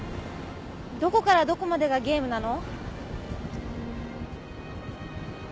どこからどこまでがゲームなの？